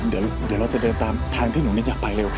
เดี๋ยวเราจะเดินตามทางที่หนูนิดไปเร็วขึ้น